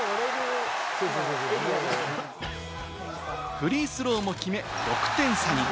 フリースローも決め、６点差に。